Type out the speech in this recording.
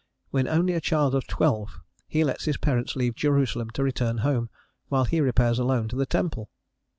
When only a child of twelve he lets his parents leave Jerusalem to return home, while he repairs alone to the temple.